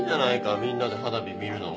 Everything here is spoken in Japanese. みんなで花火見るのも。